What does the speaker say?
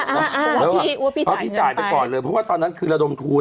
เพราะว่าพี่จ่ายเงินไปเพราะว่าพี่จ่ายไปก่อนเลยเพราะว่าตอนนั้นคือระดมทุน